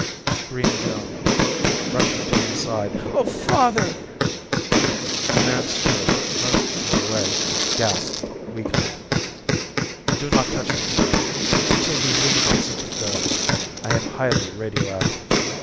"Father!" screamed Joan, rushing to his side. "Oh, Father!" The man stirred, motioned her away, gasped weakly: "Do not touch me, child until the luminosity goes. I am highly radio active.